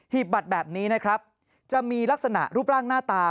ีบบัตรแบบนี้นะครับจะมีลักษณะรูปร่างหน้าตา